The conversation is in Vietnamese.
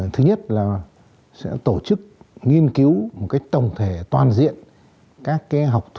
thứ nhất là sẽ tổ chức nghiên cứu một tổng hợp